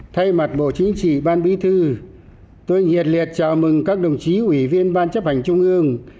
thay mặt bộ chính trị ban bí thư tôi nhiệt liệt chào mừng các đồng chí ủy viên ban chấp hành trung ương